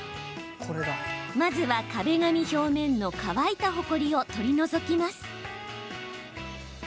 まずは壁紙表面の乾いたホコリを取り除きます。